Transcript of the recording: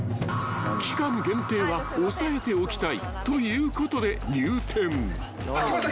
［期間限定は押さえておきたいということで入店］来ました来ました。